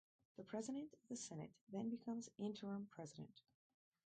The President of the Senate then becomes interim president.